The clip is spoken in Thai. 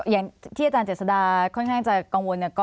อย่างที่อาจารย์เจษฎาค่อนข้างจะกังวล